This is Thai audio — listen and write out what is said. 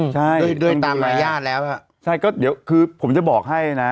ใช่ต้องดูแลใช่ก็เดี๋ยวคือผมจะบอกให้นะ